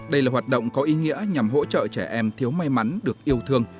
đây là hoạt động có ý nghĩa nhằm hỗ trợ trẻ em thiếu may mắn được yêu thương